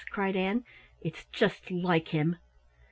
cried Ann. "It's just like him."